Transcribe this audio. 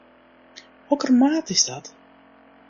Hokker maat is dat?